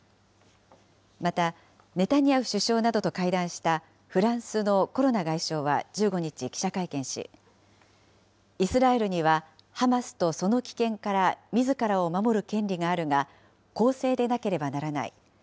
また、ネタニヤフ首相などと会談したフランスのコロナ外相は１５日、記者会見し、イスラエルにはハマスとその危険からみずからを守る権利があるが、公正でなければならない。